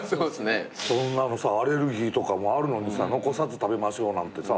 そんなのさアレルギーとかもあるのにさ残さず食べましょうなんてさ。